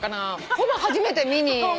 ほぼ初めて見に行く。